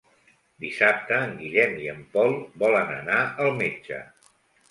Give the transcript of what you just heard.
Dissabte en Guillem i en Pol volen anar al metge.